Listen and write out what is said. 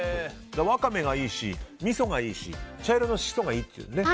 ワカメがいいしみそもいいし、茶色の色素もいいってことですね。